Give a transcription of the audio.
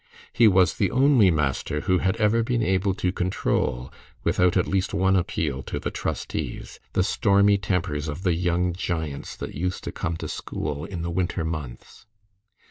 He was the only master who had ever been able to control, without at least one appeal to the trustees, the stormy tempers of the young giants that used to come to school in the winter months.